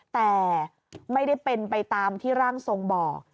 แต่ไม่ได้เป็นไปตามที่ร่างทรงบอก